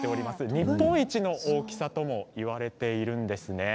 日本一の大きさともいわれているんですね。